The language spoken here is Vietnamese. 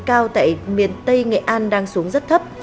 cao tại miền tây nghệ an đang xuống rất thấp